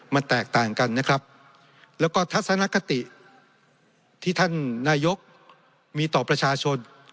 มันแตกต่างกันนะครับแล้วก็ทัศนคติที่ท่านนายกมีต่อประชาชน